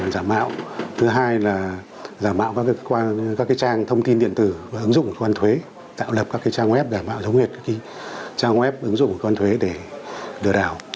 giả mạo các trang thông tin điện tử và ứng dụng của cơ quan thuế tạo lập các trang web giả mạo giống như trang web ứng dụng của cơ quan thuế để đưa đảo